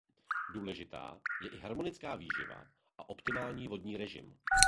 Důležitá je i harmonická výživa a optimální vodní režim.